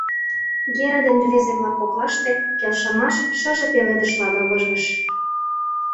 Гера ден рвезе-влак коклаште келшымаш шыже пеледышла лывыжгыш.